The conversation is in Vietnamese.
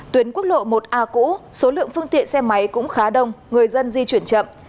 tuyến quốc lộ một a cũ số lượng phương tiện xe máy cũng khá đông người dân di chuyển chậm